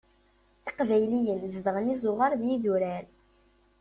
Iqbayliyen zedɣen izuɣar d yidurar.